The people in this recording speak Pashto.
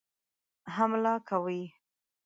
حمله کوي.